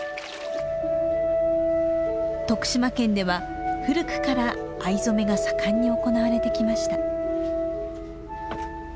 徳島県では古くから藍染めが盛んに行われてきました。